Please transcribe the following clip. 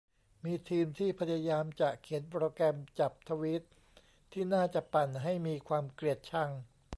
มีทีมที่พยายามจะเขียนโปรแกรมจับทวีตที่น่าจะปั่นให้มีความเกลียดชัง